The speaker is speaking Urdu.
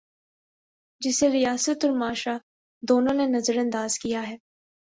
جسے ریاست اور معاشرہ، دونوں نے نظر انداز کیا ہے۔